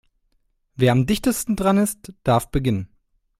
Wer am dichtesten dran ist, darf beginnen.